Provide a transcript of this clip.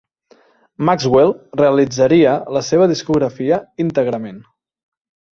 Maxwell realitzaria la seva discografia íntegrament.